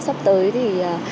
sắp tới thì